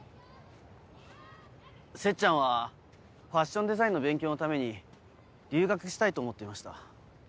せっちゃんはファッションデザインの勉強のために留学したいと思っていました。